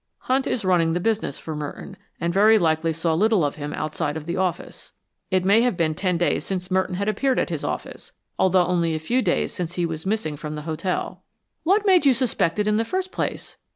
"Hunt is running the business for Merton, and very likely saw little of him outside of the once. It may have been ten days since Merton had appeared at his office, although only a few days since he was missing from the hotel." "What made you suspect it in the first place?"